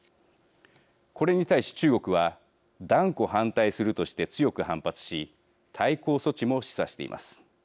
これに対し中国は断固反対するとして強く反発し対抗措置も示唆しています。